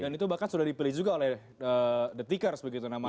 dan itu bahkan sudah dipilih juga oleh the tickers